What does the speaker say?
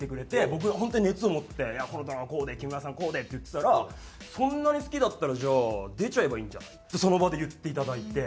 僕本当に熱を持って「このドラマはこうで木村さんこうで」って言ってたら「そんなに好きだったらじゃあ出ちゃえばいいんじゃない」ってその場で言っていただいて。